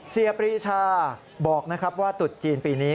เสียบริชาบอกนะครับว่าตุ๊ดจีนปีนี้